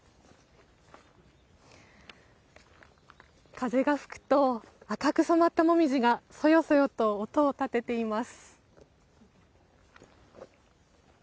風が吹くと赤く染まったモミジがそよそよと音を立てています。